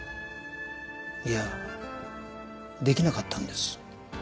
いやできなかったんです。